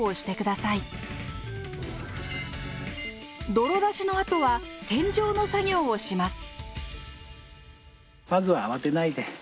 泥出しのあとは洗浄の作業をします。